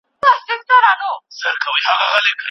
کمپيوټر د راتلونکي مرسته کوي.